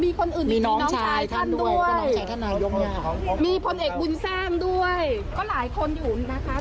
มีคนอื่นมีน้องชายท่านด้วยมีพลเอกบุญแซมด้วยก็หลายคนอยู่นะคะ